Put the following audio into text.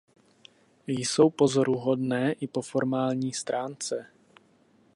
Jsou pozoruhodné i po formální stránce.